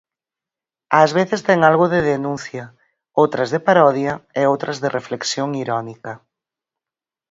Ás veces ten algo de denuncia, outras de parodia e outras de reflexión irónica.